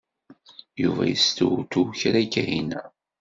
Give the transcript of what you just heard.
Yuba yestewtew kra i Kahina.